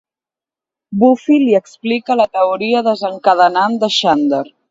Buffy li explica la teoria desencadenant de Xander.